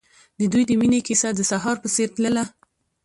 د دوی د مینې کیسه د سهار په څېر تلله.